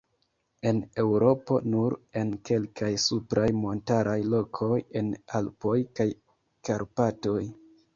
En Eŭropo nur en kalkaj supraj montaraj lokoj en Alpoj kaj Karpatoj.